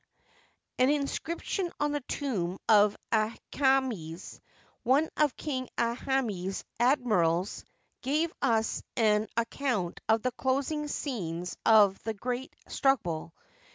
An inscription on the tomb of Aakmes, one of King Aahmes *s admirals, g^ves us an ac count of the closing scenes of the great struggle.